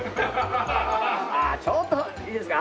ああちょっといいですか？